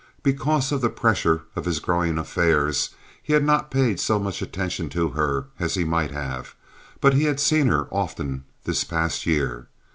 Because of the pressure of his growing affairs he had not paid so much attention to her as he might have, but he had seen her often this past year.